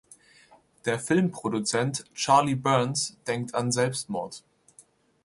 Der Filmproduzent Charlie Berns denkt an Selbstmord.